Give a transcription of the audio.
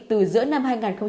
từ giữa năm hai nghìn hai mươi